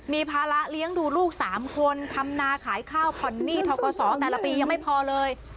มีภาระเลี้ยงดูลูก๓คนทำนาขายข้าวผ่อนหนี้ทกศแต่ละปียังไม่พอเลย